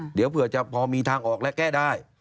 เดี๋ยวเผื่อจะพอมีทางออกและแก้ได้